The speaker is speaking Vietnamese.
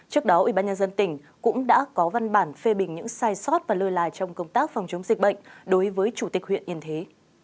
trước đó ubnd tỉnh cũng đã có văn bản phê bình những sai sót và lơ là trong công tác phòng chống dịch bệnh đối với chủ tịch huyện yên thế